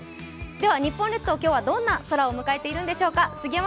では、日本列島、今日はどんな空を迎えているのでしょうか。